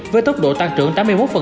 với tốc độ tăng trưởng tám mươi một